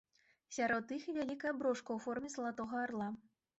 Сярод іх і вялікая брошка ў форме залатога арла.